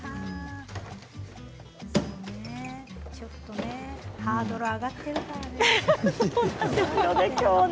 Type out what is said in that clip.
ちょっとハードルが上がっているからね。